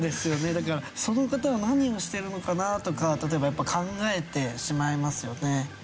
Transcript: だからその方は何をしてるのかな？とか例えばやっぱ考えてしまいますよね。